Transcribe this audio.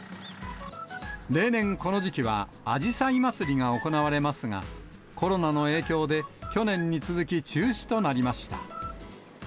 例年、この時期はあじさいまつりが行われますが、コロナの影響で、去年に続き中止となりました。